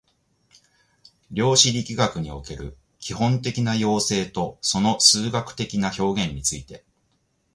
量子力学における基本的な要請とその数理的な表現について